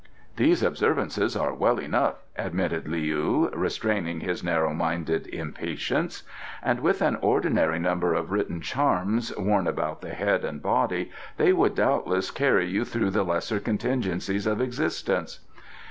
"These observances are well enough," admitted Leou, restraining his narrow minded impatience; "and with an ordinary number of written charms worn about the head and body they would doubtless carry you through the lesser contingencies of existence.